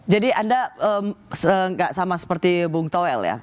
jadi anda gak sama seperti bung toel ya